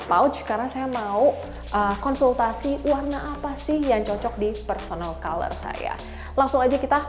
pouch karena saya mau konsultasi warna apa sih yang cocok di personal color saya langsung aja kita